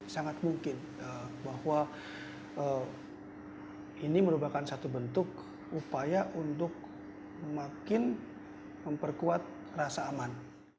sangat mungkin bahwa ini merupakan satu bentuk upaya untuk makin memperkuat rasa aman